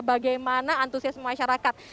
bagaimana antusiasme masyarakat